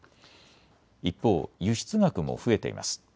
一方、輸出額も増えています。